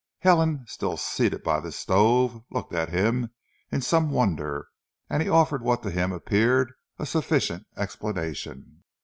Helen still seated by the stove looked at him in some wonder, and he offered what to him appeared a sufficient explanation.